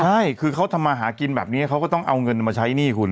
ใช่คือเขาทำมาหากินแบบนี้เขาก็ต้องเอาเงินมาใช้หนี้คุณ